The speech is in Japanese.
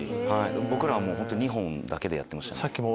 僕らは本当２本だけでやってましたね。